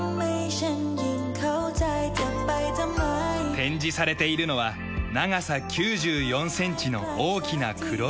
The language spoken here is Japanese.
展示されているのは長さ９４センチの大きな黒い象牙。